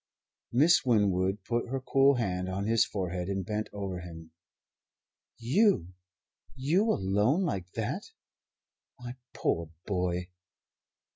Miss Winwood put her cool hand on his forehead and bent over him. "You? You, alone like that? My poor boy!"